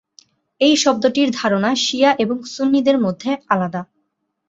এই শব্দটির ধারণা শিয়া এবং সুন্নিদের মধ্যে আলাদা।